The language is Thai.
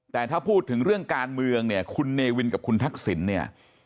แต่ถ้าพูดถึงเรื่องการเมืองเนี่ยคุณเนวินกับคุณทักษิณเนี่ย